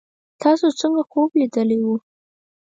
تاسو څنګه خوب لیدلی وو